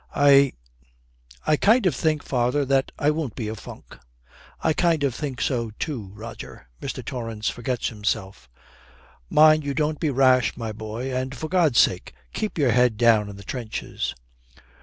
'I I kind of think, father, that I won't be a funk.' 'I kind of think so too, Roger.' Mr. Torrance forgets himself. 'Mind you don't be rash, my boy; and for God's sake, keep your head down in the trenches.'